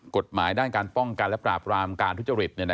กฎหมายด้านการป้องกันและปราบรามการทุจริต